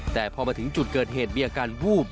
แต่พอมาถึงจุดเกิดเหตุมีอาการวูบ